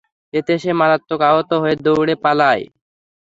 এতে সে মারাত্মক আহত হয়ে দৌড়ে পালায়।